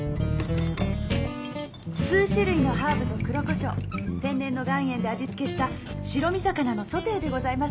数種類のハーブと黒こしょう天然の岩塩で味付けした白身魚のソテーでございます。